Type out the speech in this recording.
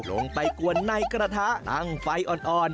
ลงไปกวนในกระทะตั้งไฟอ่อน